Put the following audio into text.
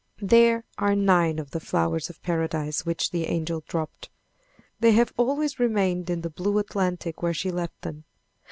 There are nine of the flowers of Paradise which the angel dropped. They have always remained in the blue Atlantic where she left them.